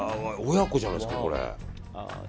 親子じゃないですか。